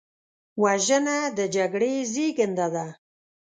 وژنه د جګړې زیږنده ده